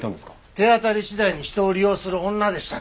手当たり次第に人を利用する女でしたから。